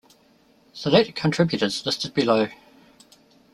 Select contributors listed below.